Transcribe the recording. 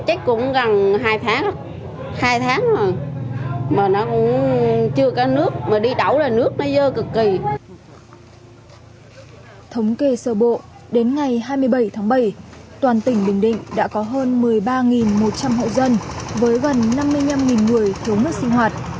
thống kê sơ bộ đến ngày hai mươi bảy tháng bảy toàn tỉnh bình định đã có hơn một mươi ba một trăm linh hộ dân với gần năm mươi năm người thiếu nước sinh hoạt